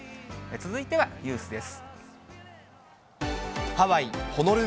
続いてはニュースです。